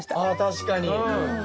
確かに。